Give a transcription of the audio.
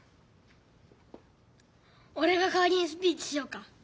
おれがかわりにスピーチしようか？